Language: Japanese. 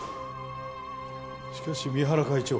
しかし三原会長